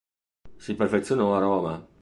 Si perfezionò a Roma.